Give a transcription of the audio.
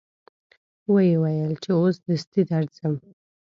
و یې ویل چې اوس دستي درځم.